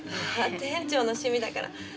店長の趣味だから。